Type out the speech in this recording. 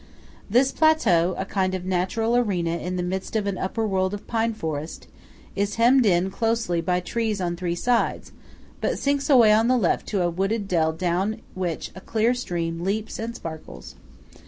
This plateau–a kind of natural arena in the midst of an upper world of pine forest–is hemmed closely in by trees on three sides, but sinks away on the left into a wooded dell down which a clear stream leaps and sparkles.